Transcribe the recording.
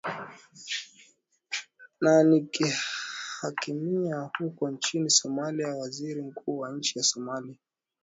na nikihamia huko nchini somalia waziri mkuu wa nchi ya somalia